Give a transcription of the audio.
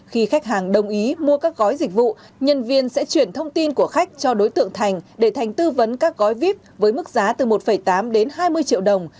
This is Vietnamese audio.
khi khách hàng đồng ý mua các gói dịch vụ nhân viên sẽ chuyển thông tin của khách cho đối tượng thành để thành tư vấn các gói vip với mức giá từ một tám đến hai mươi triệu đồng